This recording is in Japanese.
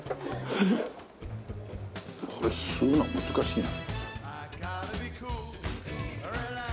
これ吸うの難しいな。